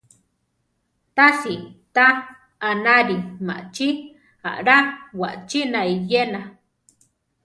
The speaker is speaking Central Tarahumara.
Tási ta anári machí aʼlá wachína iyéna.